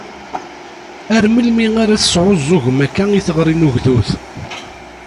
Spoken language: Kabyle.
Ar melmi ara tesɛuẓẓugem akka i tiɣri n ugdud?